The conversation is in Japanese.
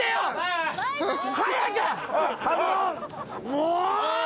もう！